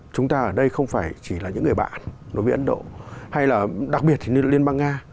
chúng ta ở đây không phải chỉ là những người bạn đối với ấn độ hay là đặc biệt như liên bang nga